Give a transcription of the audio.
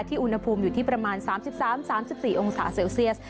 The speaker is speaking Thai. อุณหภูมิอยู่ที่ประมาณ๓๓๔องศาเซลเซียส